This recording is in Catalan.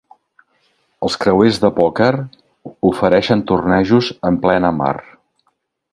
Els creuers de pòquer ofereixen tornejos en plena mar.